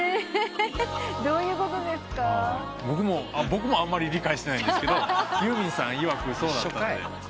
僕もあんまり理解してないんですけどユーミンさんいわくそうだったって。